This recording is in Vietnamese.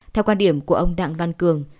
theo quan điểm của ông đặng văn cường